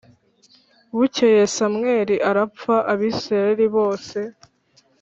Bukeye Samweli arapfa Abisirayeli bose